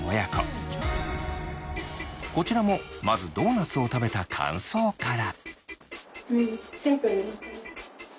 こちらもまずドーナツを食べた感想から。